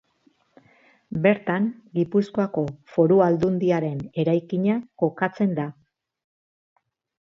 Bertan Gipuzkoako Foru Aldundiaren eraikina kokatzen da.